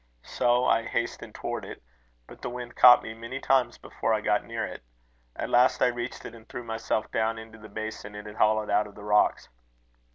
So I hastened towards it, but the wind caught me many times before I got near it. At last I reached it, and threw myself down into the basin it had hollowed out of the rocks.